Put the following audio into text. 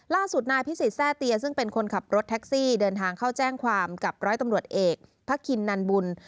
ล่าสุดนายพิสิทธิแทร่เตียซึ่งเป็นคนขับรถแท็กซี่เดินทางเข้าแจ้งความกับร้อยตำรวจเอกพระคินนันบุญ